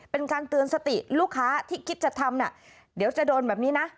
เป็นการเตือนสติลูกค้าที่คิดจะทำเดี๋ยวจะโดนแบบนี้นะ